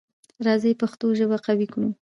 راځی پښتو ژبه قوي کړو.